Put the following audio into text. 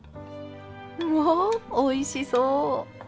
わあおいしそう！